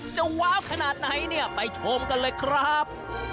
จะว้าวขนาดไหนไปชมกันเลยครับ